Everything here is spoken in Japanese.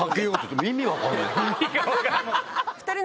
意味分かんない。